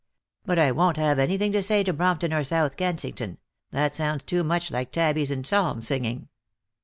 But I won't have anything to say to Brompton or South Kensington ; that sounds too much like tabbies and psalm singing."